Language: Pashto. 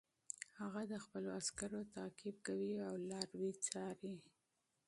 هغه د خپلو عسکرو تعقیب کوي او لاروي څاري.